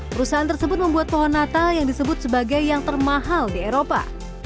perusahaan tersebut membuat pohon natal yang disebut sebagai yang termahal di eropa